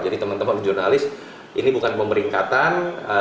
jadi teman teman jurnalis ini bukan pemeringkatan